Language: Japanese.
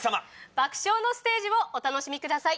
爆笑のステージをお楽しみください。